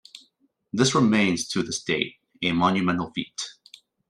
This remains to this date, a monumental feat.